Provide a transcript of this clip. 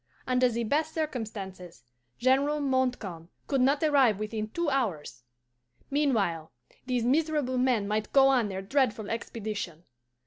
Under the best circumstances General Montcalm could not arrive within two hours. Meanwhile, these miserable men might go on their dreadful expedition.